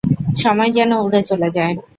সময় যেন উড়ে চলে যায়।